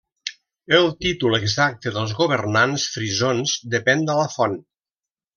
El títol exacte dels governants frisons depèn de la font.